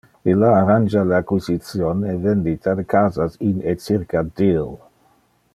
Illa arrangia le acquisition e vendita de casas in e circa Deal.